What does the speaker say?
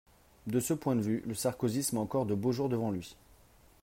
De ce point de vue, le sarkozysme a encore de beaux jours devant lui.